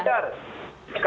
eh pak ganjar